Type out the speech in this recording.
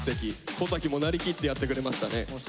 小瀧もなりきってやってくれましたね。